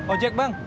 oh jack bang